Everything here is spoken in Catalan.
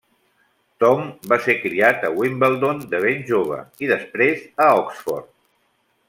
Tom va ser criat a Wimbledon de ben jove i després a Oxford.